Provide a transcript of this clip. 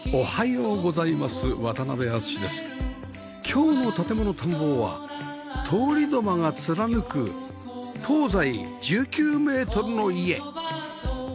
今日の『建もの探訪』は通り土間が貫く東西１９メートルの家